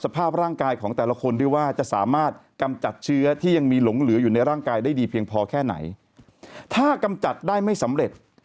พอแค่ไหนถ้ากำจัดได้ไม่สำเร็จ